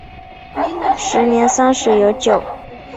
时年三十有九。